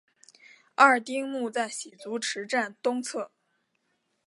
二丁目在洗足池站东侧。